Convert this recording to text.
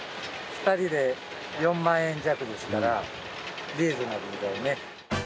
２人で４万円弱ですからリーズナブルだよね。